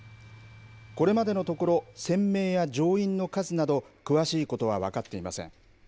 これまでのところ、船名や乗員の数など、詳しいことは分かっていません。